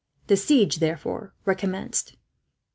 The siege, therefore, recommenced.